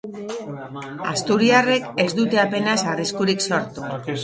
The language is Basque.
Asturiarrek ez dute apenas arriskurik sortu.